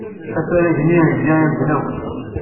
Afrag-nni yeldey i medden akk.